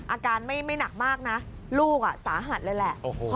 อาการไม่ไม่หนักมากน่ะลูกอ่ะสาหัสเลยแหละโอ้โห